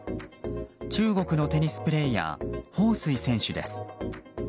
中国のテニスプレーヤーホウ・スイ選手です。